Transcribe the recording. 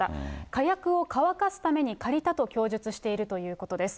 火薬を乾かすために借りたと供述しているということです。